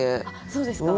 そうですか？